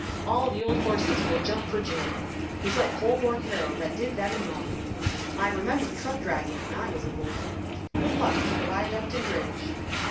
All the old horses will jump for joy, 'Twas up Holborn Hill that did them annoy, I remember truck dragging when I was a boy, Good luck to the Viaduct and Bridge.